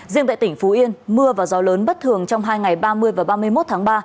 riêng tại tỉnh phú yên mưa và gió lớn bất thường trong hai ngày ba mươi và ba mươi một tháng ba